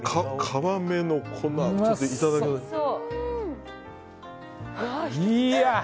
皮目もこれ、いただきます。